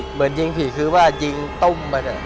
เหมือนยิงผีคือว่ายิงตุ้ม